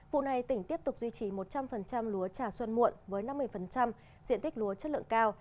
vụ này tỉnh tiếp tục duy trì một trăm linh lúa trà xuân muộn với năm mươi diện tích lúa chất lượng cao